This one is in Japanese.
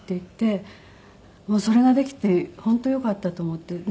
それができて本当よかったと思って。